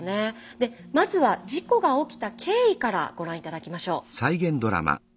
でまずは事故が起きた経緯からご覧頂きましょう。